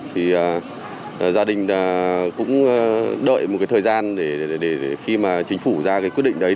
thì gia đình cũng đợi một thời gian để khi mà chính phủ ra quyết định đấy